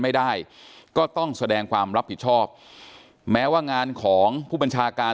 ไม่ได้ก็ต้องแสดงความรับผิดชอบแม้ว่างานของผู้บัญชาการ